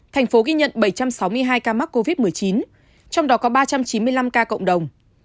thành phố ghi nhận bảy trăm sáu mươi hai ca mắc covid một mươi chín trong đó có ba trăm chín mươi năm ca cộng đồng